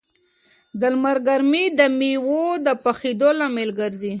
د لمر ګرمي د مېوو د پخېدو لامل ګرځي.